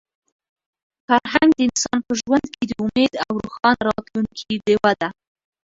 فرهنګ د انسان په ژوند کې د امید او د روښانه راتلونکي ډیوه ده.